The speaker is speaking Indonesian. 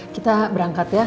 kita berangkat ya